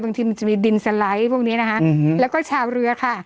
บางทีมันจะมีดินสไลด์พวกนี้นะคะแล้วก็ชาวเรือค่ะ